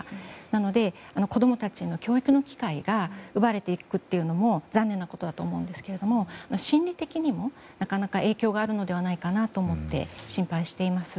なので、子供たちの教育の機会が奪われていくというのも残念なことだと思うんですけど心理的にもなかなか影響があるのではないかと思って心配しています。